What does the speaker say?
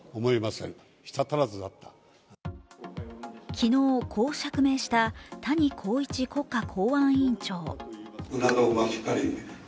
昨日、こう釈明した谷公一国家公安委員長。